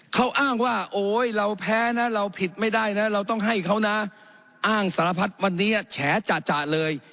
เขาอ้างว่าโอ๊ยเราแพ้นะเราผิดไม่ได้นะเราต้องให้เขานะอ้างสารพัดวันนี้แฉจ่ะเลย